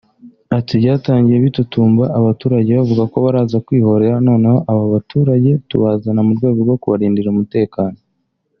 Ati "Byatangiye bitutumba abaturage bavuga ko baraza kwihorera noneho abo baturage tubazana mu rwego rwo kubarindira umutekano